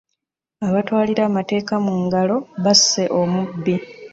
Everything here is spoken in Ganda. Abatwalira amateeka mu ngalo basse omubbi.